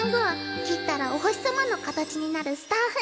切ったらお星様の形になるスターフルーツ。